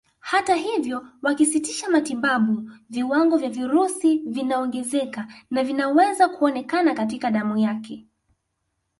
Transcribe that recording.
Hata hivyo wakisitisha matibabu viwango vya virusi vinaongezeka na vinaweza kuonekana katika damu yake